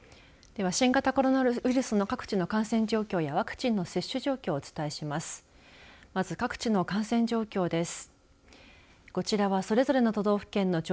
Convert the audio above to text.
では、新型コロナウイルスの各地の感染状況やワクチンの接種状況をお伝えします。